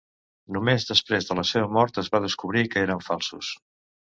Només després de la seva mort es va descobrir que eren falsos.